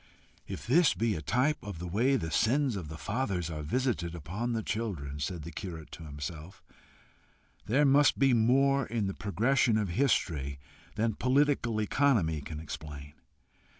"If this be a type of the way the sins of the fathers are visited upon the children," said the curate to himself, "there must be more in the progression of history than political economy can explain.